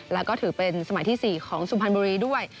แล้วก็ถือเป็นสมัยที่๔ของสุพรรณบุรีด้วย